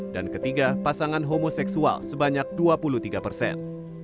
dan ketiga pasangan homoseksual sebanyak dua puluh tiga persen